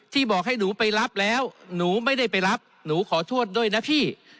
บอกให้หนูไปรับแล้วหนูไม่ได้ไปรับหนูขอโทษด้วยนะพี่